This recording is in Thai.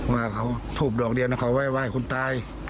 ว่าเขาทูบดอกเดียวเขาไว้ไหว้คุณตาย